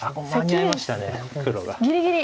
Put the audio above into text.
ぎりぎり。